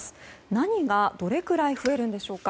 何がどれくらい増えるんでしょうか。